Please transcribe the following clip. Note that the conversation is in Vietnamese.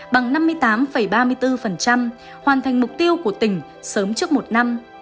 bằng năm mươi tám ba mươi bốn hoàn thành mục tiêu của tỉnh sớm trước một năm